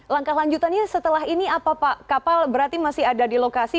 langkah lanjutannya setelah ini apa pak kapal berarti masih ada di lokasi